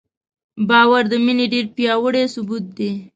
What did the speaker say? باور د مینې ډېر پیاوړی ثبوت دی.